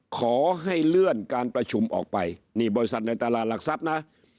ขอให้เลื่อนการประชุมออกไปนี่บริษัทในตลาดหลักทรัพย์นะ